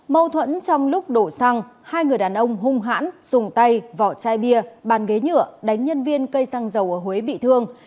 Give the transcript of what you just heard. mâu thuẫn trong lúc đổ xăng hai người đàn ông hung hãn dùng tay vỏ chai bia bàn ghế nhựa đánh nhân viên cây xăng dầu ở huế bị thương